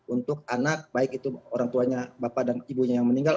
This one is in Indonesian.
untuk anak baik itu orang tuanya bapak dan ibunya yang meninggal